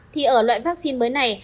thì ở loại vaccine mới này